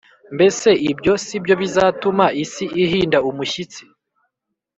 Mbese ibyo si byo bizatuma isi ihinda umushyitsi